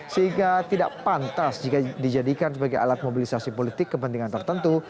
sehingga tidak pantas jika dijadikan sebagai alat mobilisasi politik kepentingan tertentu